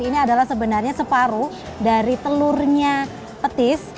ini adalah sebenarnya separuh dari telurnya petis